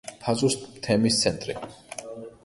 ფაზუს თემის ცენტრი.